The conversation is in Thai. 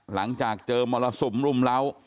หลังจากเจอมรสุมรุมเล้า